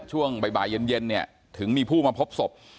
ช่วงบ่ายเย็นเนี่ยถึงมีผู้มาพบศพ